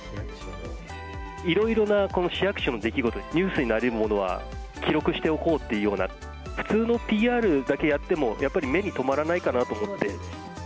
いろいろな市役所の出来事、ニュースになりうるものは記録しておこうっていうような、普通のＰＲだけやってもやっぱり目に留まらないかなと思って。